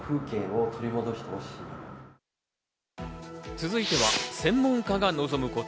続いては、専門家が望むこと。